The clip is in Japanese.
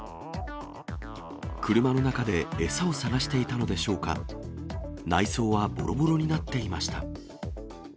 車の中で餌を探していたのでしょうか、内装はぼろぼろになっていました。